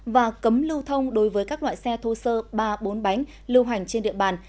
và cấm lưu thông đối với các loại xe thô sơ ba bốn bánh lưu hành trên địa bàn